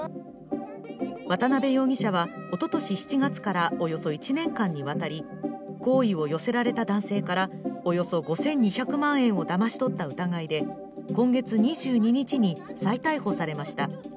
渡邊容疑者はおととし７月からおよそ１年間にわたり、好意を寄せられた男性からおよそ５２００万円をだまし取った疑いで今月２２日に再逮捕されました。